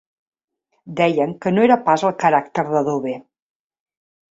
Deien que no era pas el caràcter de Dove.